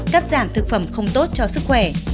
cắt giảm thực phẩm không tốt cho sức khỏe